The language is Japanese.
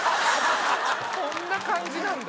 そんな感じなんだ。